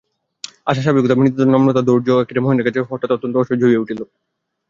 আশার স্বাভাবিক মৃদুতা নম্রতা ধৈর্য মহেন্দ্রের কাছে হঠাৎ অত্যন্ত অসহ্য হইয়া উঠিল।